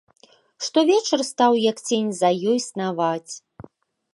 Штовечар стаў, як цень, за ёй снаваць.